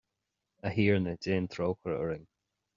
A Thiarna déan trócaire orainn.